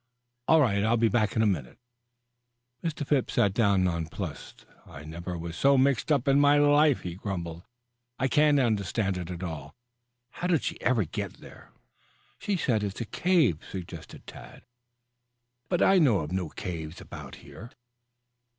"All right. I'll be back in a minute." Mr. Phipps sat down nonplussed. "I never was so mixed up in my life," he grumbled. "I can't understand it at all. How did she ever get there?" "She says it's a cave," suggested Tad. "But I know of no caves about here."